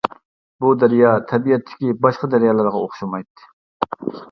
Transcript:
بۇ دەريا تەبىئەتتىكى باشقا دەريالارغا ئوخشىمايتتى.